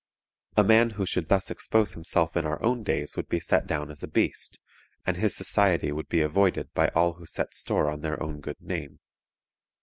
A man who should thus expose himself in our own days would be set down as a beast, and his society would be avoided by all who set store on their own good name.